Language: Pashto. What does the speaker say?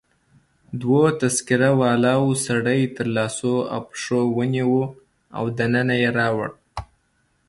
دوو تذکره والاو سړی تر لاسو او پښو ونیو او دننه يې راوړ.